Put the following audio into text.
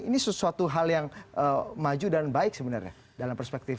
ini sesuatu hal yang maju dan baik sebenarnya dalam perspektif